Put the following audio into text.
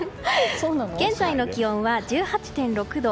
現在の気温は１８．６度。